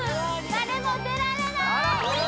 誰も出られない！